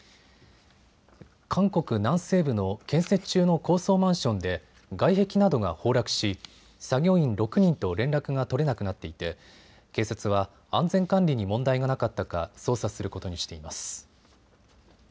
韓国南西部の建設中の高層マンションで外壁などが崩落し、作業員６人と連絡が取れなくなっていて警察は安全管理に問題がなかったか捜査することにしています。